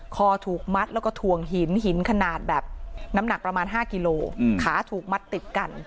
คอถูกมัดแล้วก็ถ่วงหินหินขนาดแบบน้ำหนักประมาณ๕กิโลขาถูกมัดติดกัน